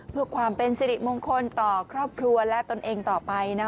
เพื่อความเป็นสิริมงคลต่อครอบครัวและตนเองต่อไป